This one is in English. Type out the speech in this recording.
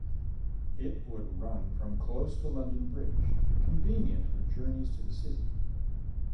It would run from close to London Bridge, convenient for journeys to the City.